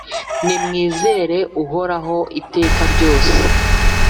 Nimwizere Uhoraho iteka ryose,